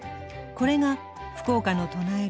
これが福岡の唱える